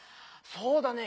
そうだね。